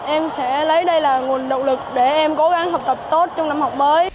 em sẽ lấy đây là nguồn động lực để em cố gắng học tập tốt trong năm học mới